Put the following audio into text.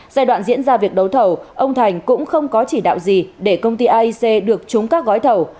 giai đoạn diễn ra việc đấu thầu ông thành cũng không có chỉ đạo gì để công ty aic được trúng các gói thầu